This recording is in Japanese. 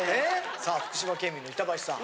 さあ福島県民の板橋さん。